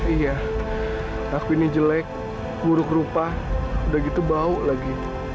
iya aku ini jelek buruk rupa udah gitu bau lagi